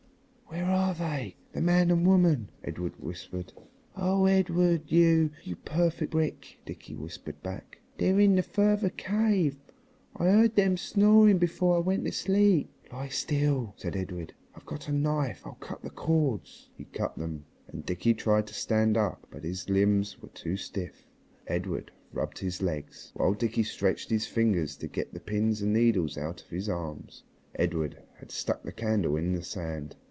"Where are they the man and woman?" Edred whispered. "Oh, Edred! You! You perfect brick!" Dickie whispered back. "They're in the further cave. I heard them snoring before I went to sleep." "Lie still," said Edred; "I've got a knife. I'll cut the cords." He cut them, and Dickie tried to stand up. But his limbs were too stiff. Edred rubbed his legs, while Dickie stretched his fingers to get the pins and needles out of his arms. Edred had stuck the candle in the sand.